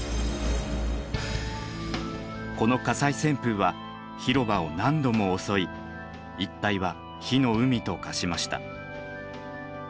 この火災旋風は広場を何度も襲い一帯は火の海と化しました。